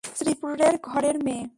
শ্রীপুরের ঘরের মেয়ে।